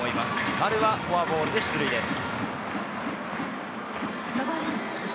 丸はフォアボールで出塁です。